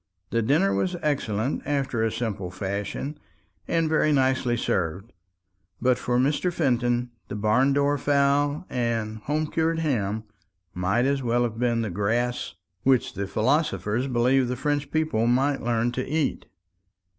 The dinner was excellent after a simple fashion, and very nicely served; but for Mr. Fenton the barn door fowl and home cured ham might as well have been the grass which the philosopher believed the French people might learn to eat.